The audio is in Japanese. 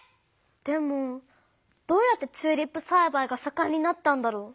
でもどうやってチューリップさいばいがさかんになったんだろう？